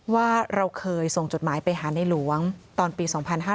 ว่าเราเคยส่งจดหมายไปหาในหลวงตอนปี๒๕๕๙